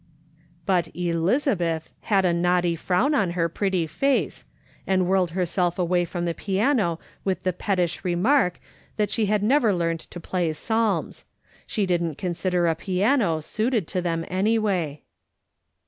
But " Elizabeth" had a naughty frown on her pretty face, and whirled herself away from the piano with the pettish remark that she had never learned to play psalms ; she didn't consider a piano suited to them anyway.